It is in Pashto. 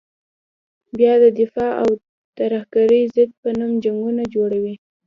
بیا د دفاع او ترهګرې ضد په نوم جنګونه جوړوي.